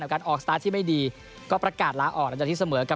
กับการออกสตาร์ทที่ไม่ดีก็ประกาศล้าออก